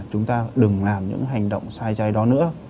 chúng ta đừng làm những hành động sai trái đó nữa